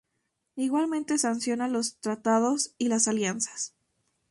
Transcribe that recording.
Igualmente sanciona los tratados y las alianzas.